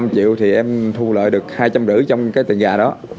năm triệu thì em thu lợi được hai trăm linh rưỡi trong cái tiền gà đó